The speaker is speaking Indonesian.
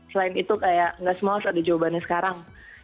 selain itu kayak gak semua harus ada jawabannya sekarang